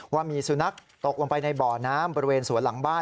ว่ามีสุนัขตกลงไปในบ่อน้ำบริเวณสวนหลังบ้าน